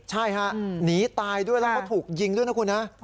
ใช่ฮะหนีตายด้วยแล้วก็ถูกยิงด้วยนะคุณฮะ